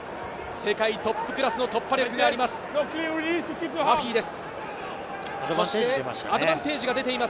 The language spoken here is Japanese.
世界トップクラスの突破力があります、マフィです。